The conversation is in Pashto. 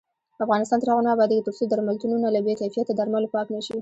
افغانستان تر هغو نه ابادیږي، ترڅو درملتونونه له بې کیفیته درملو پاک نشي.